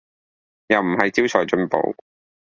又唔係招財進寶